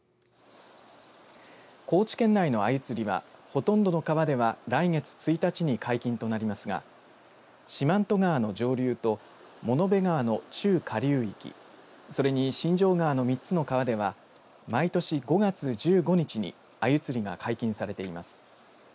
高知県内のアユ釣りはほとんどの川では来月１日に解禁となりますが四万十川の上流と物部川の中下流域、それに新荘川の３つの川では毎年５月１５日にアユ釣りが解禁されています。